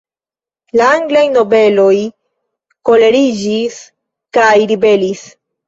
La anglaj nobeloj koleriĝis kaj ribelis.